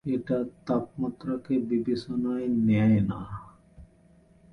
এটা তাপমাত্রাকে বিবেচনায় নেয় না।